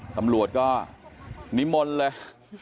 ตำรวจก็นิ้มมนเลย